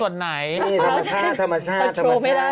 ที่สุดไหนธรรมชาติ